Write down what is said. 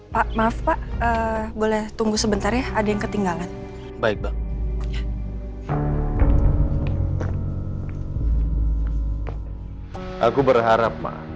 pak maaf pak boleh tunggu sebentar ya ada yang ketinggalan baik banget aku berharap